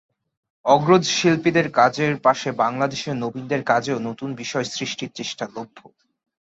অগ্রজ শিল্পীদের কাজের পাশে বাংলাদেশের নবীনদের কাজেও নতুন বিষয় সৃষ্টির চেষ্টা লভ্য।